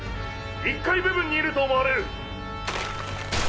１階部分に居ると思われる。